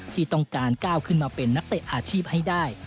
ที่ต้องการก้าวขึ้นมาเป็นนักเตะอาชีพให้ได้